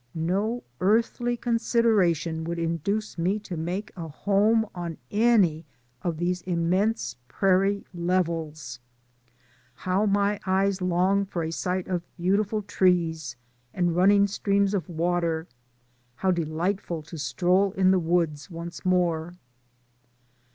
No earthly consideration would induce me to make a home on any of these immense prairie levels. How my eyes long for a sight of beautiful trees, and running streams of water; how delightful to stroll in the woods once more.